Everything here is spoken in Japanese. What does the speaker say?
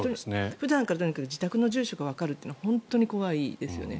普段から自宅の住所がわかるというのは本当に怖いですよね。